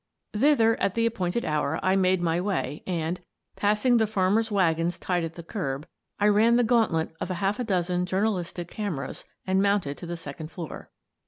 Thither, at the appointed hour, I made my way and, passing the farmers' wagons tied at the curb, I ran the gauntlet of a half dozen journalistic cam eras and mounted to the second floor.